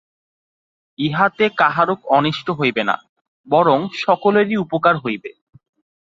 ইহাতে কাহারও অনিষ্ট হইবে না, বরং সকলেরই উপকার হইবে।